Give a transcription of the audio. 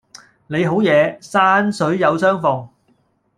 你好嘢，山水有山逢